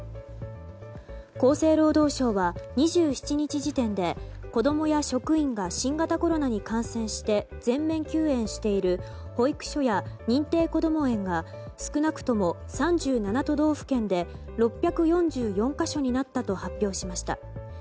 厚生労働省は２７日時点で子供や職員が新型コロナに感染して全面休園している保育所や認定こども園が少なくとも３７都道府県で６４４か所になったと発表しました。